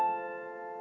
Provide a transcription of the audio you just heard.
terima kasih tuhan